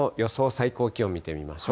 最高気温見てみましょう。